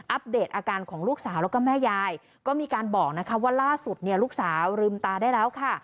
เดตอาการของลูกสาวแล้วก็แม่ยายก็มีการบอกนะคะว่าล่าสุดเนี่ยลูกสาวลืมตาได้แล้วค่ะ